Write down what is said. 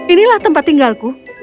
inilah tempat tinggalku